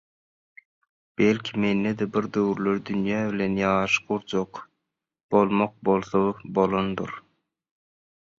Belki, mende-de bir döwürler dünýe bilen ýaryş gurjak bolmak bolsa bolandyr.